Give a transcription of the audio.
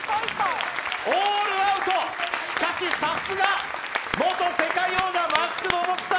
オールアウトしかしさすが、元世界王者、マスク・ド・ボクサー。